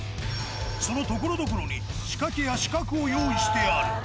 そのところどころに仕掛けや刺客を用意してある。